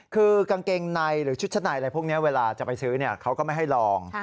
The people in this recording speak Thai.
คือกางเกงในหรือชุดชั้นในอะไรพวกนี้เวลาจะไปซื้อเขาก็ไม่ให้ลอง